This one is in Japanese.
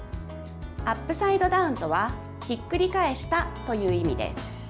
アップサイドダウンとはひっくり返したという意味です。